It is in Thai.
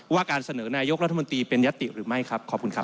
การเสนอนายกรัฐมนตรีเป็นยติหรือไม่ครับขอบคุณครับ